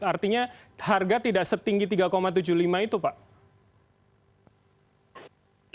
artinya harga tidak setinggi tiga tujuh puluh lima itu pak